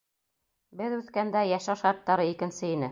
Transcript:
Беҙ үҫкәндә йәшәү шарттары икенсе ине.